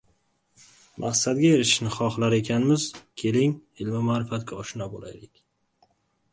Maqsadga erishishni xohlar ekanmiz, keling, ilmu ma’rifatga oshno bo‘laylik.